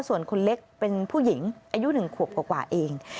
ส่วนคนเล็กเป็นผู้หญิงอายุ๑ขวบกว่าเอง